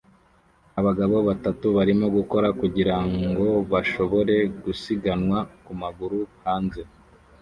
Abagabo batatu barimo gukora kugirango bashobore gusiganwa ku maguru hanze